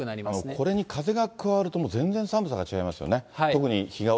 これに風が加わると、もう全然寒さが違いますよね。